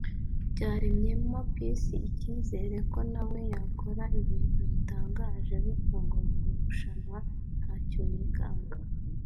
byaremyemo Peace icyizere ko na we yakora ibintu bitangaje bityo ngo mu irushanwa ntacyo yikanga